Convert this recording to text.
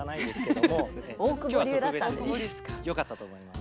今日は特別によかったと思います。